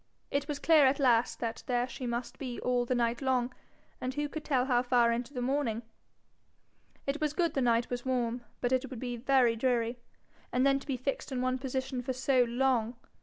It was clear at last that there she must be all the night long, and who could tell how far into the morning? It was good the night was warm, but it would be very dreary. And then to be fixed in one position for so long!